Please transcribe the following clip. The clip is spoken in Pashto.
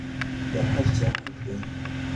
ژوند د هر چا حق دی.